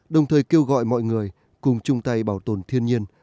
đồng thời kêu gọi mọi người cùng chung tay bảo tồn thiên nhiên